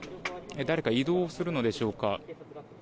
誰か移動するのでしょうか。